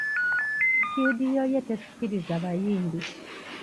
Situdiyo ye tesikiriza bayimbi.